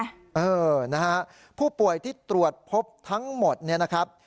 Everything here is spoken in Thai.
เออนะฮะผู้ป่วยที่ตรวจพบทั้งหมดเนี่ยนะครับ